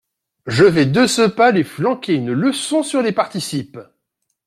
Je vais de ce pas lui flanquer une leçon sur les participes !